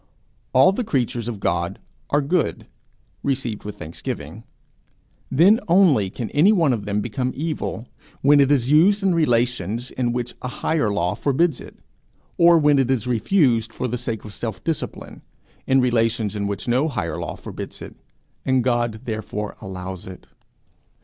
All the creatures of God are good, received with thanksgiving; then only can any one of them become evil, when it is used in relations in which a higher law forbids it, or when it is refused for the sake of self discipline, in relations in which no higher law forbids, and God therefore allows it.